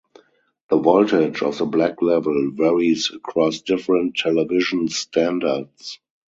The voltage of the black level varies across different television standards.